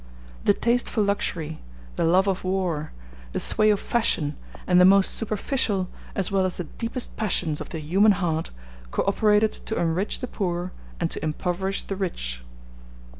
The taste for luxury, the love of war, the sway of fashion, and the most superficial as well as the deepest passions of the human heart, co operated to enrich the poor and to impoverish the rich.